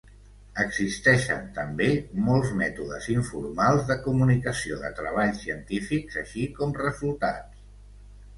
Existeixen també molt mètodes informals de comunicació de treballs científics així com resultats.